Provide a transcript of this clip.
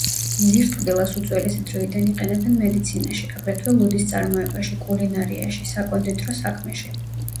ძირტკბილას უძველესი დროიდან იყენებენ მედიცინაში, აგრეთვე ლუდის წარმოებაში, კულინარიაში, საკონდიტრო საქმეში.